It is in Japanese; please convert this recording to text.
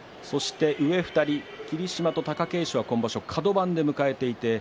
上の２人、霧島と貴景勝は今場所カド番で迎えています。